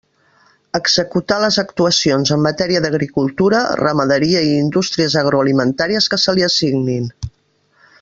Executar les actuacions en matèria d'agricultura, ramaderia i indústries agroalimentàries que se li assignin.